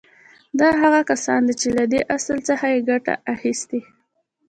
دا هغه کسان دي چې له دې اصل څخه يې ګټه اخيستې.